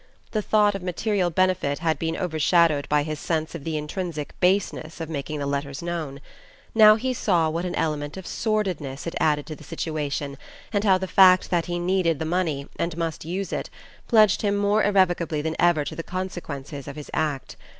The thought of material benefit had been overshadowed by his sense of the intrinsic baseness of making the letters known; now he saw what an element of sordidness it added to the situation and how the fact that he needed the money, and must use it, pledged him more irrevocably than ever to the consequences of his act.